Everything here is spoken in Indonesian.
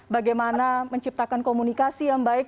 bagaimana menciptakan komunikasi yang baik